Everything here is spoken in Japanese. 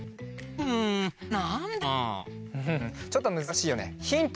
フフフッちょっとむずかしいよね。